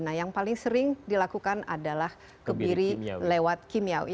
nah yang paling sering dilakukan adalah kebiri lewat kimiawi